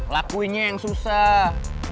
lakuinnya yang susah